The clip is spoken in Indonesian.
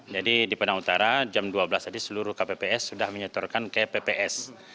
jadi di padang utara jam dua belas tadi seluruh kpps sudah menyertorkan ke pps